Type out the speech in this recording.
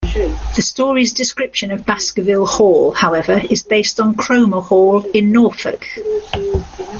The story's description of Baskerville Hall, however, is based on Cromer Hall in Norfolk.